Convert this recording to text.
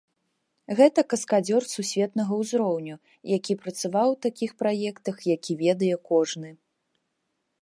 Гэта каскадзёр сусветнага ўзроўню, які працаваў у такіх праектах, які ведае кожны.